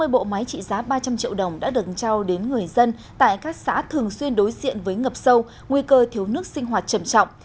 năm mươi bộ máy trị giá ba trăm linh triệu đồng đã được trao đến người dân tại các xã thường xuyên đối diện với ngập sâu nguy cơ thiếu nước sinh hoạt trầm trọng